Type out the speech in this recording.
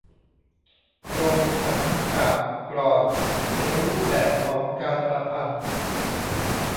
โคลง ฉันท์ กาพย์ กลอน เป็นรูปแบบของการประพันธ์